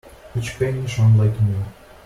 Each penny shone like new.